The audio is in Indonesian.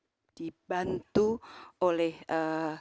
tetapi memang harus dibantu oleh semua